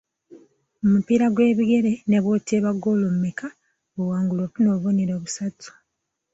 Mu mupiira gw'ebigere ne bw'oteeba ggoolo mmeka bw'owangula ofuna obubonero busatu.